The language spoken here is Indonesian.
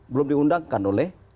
belum diundangkan oleh